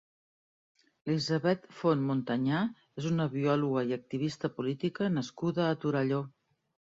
Elisabet Font Montanyà és una biòloga i activista política nascuda a Torelló.